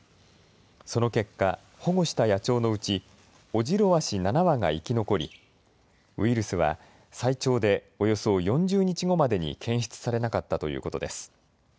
その結果、保護した野鳥のうちオジロワシ７羽が生き残りウイルスは最長でおよそ４０日後までに検出されなかったということです。